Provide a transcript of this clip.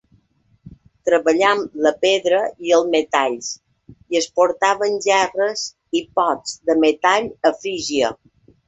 Treballaven la pedra i els metalls, i exportaven gerres i pots de metall a Frígia.